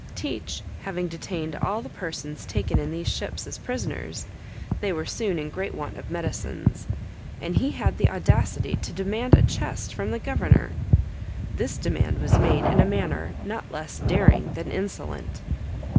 Teach having detained all the persons taken in these ships as prisoners, they were soon in great want of medicines, and he had the audacity to demand a chest from the governor. This demand was made in a manner not less daring than insolent.